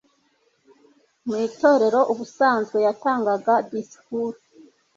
mu itorero ubusanzwe yatangaga disikuru